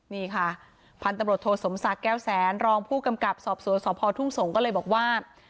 นี่ค่ะพันตำรวจโทสมศักดิ์แก้วแสนรองผู้กำกับสอบสวนสพทุ่งสงศ์ก็เลยบอกว่า